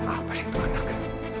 apa sih itu anaknya